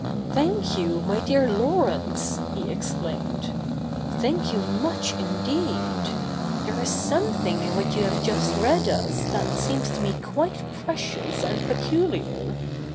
' Thank you, my dear Laurence,' he exclaimed \' thank you much, indeed. There is something in what you have just read us that seems to me quite precious and peculiar.